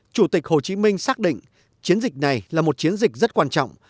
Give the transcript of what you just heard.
chủ tịch hồ chí minh xác định chiến dịch này là một chiến dịch rất quan trọng